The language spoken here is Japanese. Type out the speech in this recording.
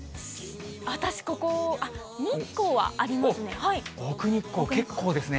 私、ここ、日光はありますね。